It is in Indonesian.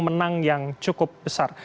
menang yang cukup besar